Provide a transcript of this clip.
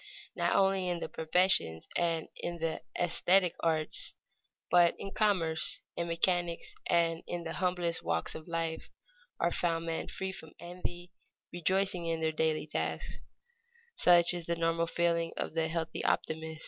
Not only in the professions and in the esthetic arts, but in commerce, in mechanics, and in the humblest walks of life are found men free from envy, rejoicing in their daily tasks. Such is the normal feeling of the healthy optimist.